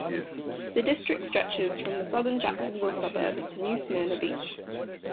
The district stretches from the southern Jacksonville suburbs to New Smyrna Beach.